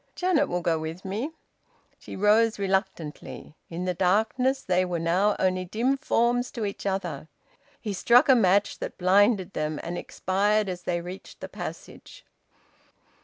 "Janet will go with me." She rose reluctantly. In the darkness they were now only dim forms to each other. He struck a match, that blinded them and expired as they reached the passage...